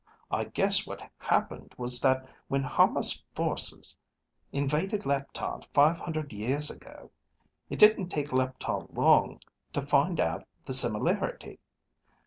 I guess what happened was that when Hama's forces invaded Leptar five hundred years ago, it didn't take Leptar long to find out the similarity.